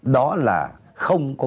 đó là không có